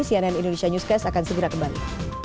cnn indonesia newscast akan segera kembali